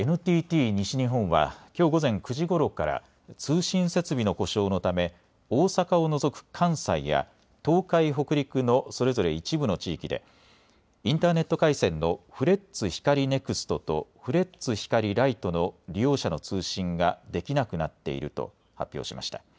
ＮＴＴ西日本はきょう午前９時ごろから通信設備の故障のため大阪を除く関西や東海、北陸のそれぞれ一部の地域でインターネット回線のフレッツ・光ネクストとフレッツ・光ライトの利用者の通信ができなくなっていると発表しました。